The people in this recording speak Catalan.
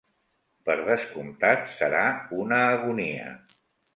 Per descomptat, serà una agonia.